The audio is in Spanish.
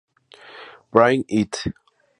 Bring It!